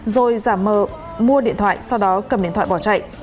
rồi giả mờ mua điện thoại sau đó cầm điện thoại bỏ chạy